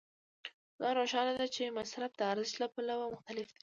خو دا روښانه ده چې مصرف د ارزښت له پلوه مختلف دی